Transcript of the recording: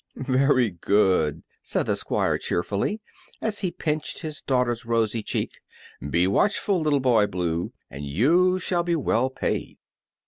"Very good," said the Squire, cheerfully, as he pinched his daughter's rosy cheek; "be watchful, Little Boy Blue, and you shall be well paid."